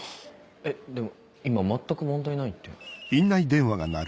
えっでも今全く問題ないって。